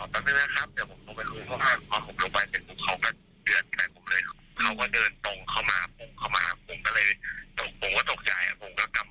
แล้วเค้าก็เห็นเค้าก็บอกว่าเปล่าจะเอาใช่ไหม